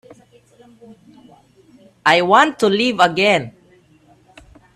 I want to live again.